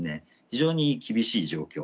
非常に厳しい状況